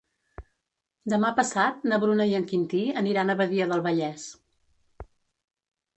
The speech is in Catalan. Demà passat na Bruna i en Quintí aniran a Badia del Vallès.